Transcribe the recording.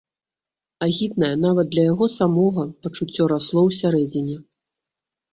Агіднае, нават для яго самога, пачуццё расло ўсярэдзіне.